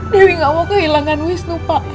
dewi gak mau kehilangan wisnu pak